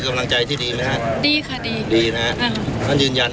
กำลังใจที่ดีไหมฮะดีค่ะดีดีนะฮะท่านยืนยัน